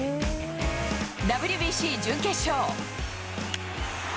ＷＢＣ準決勝。